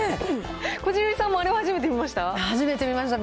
こじるりさんもあれは初めて見ました？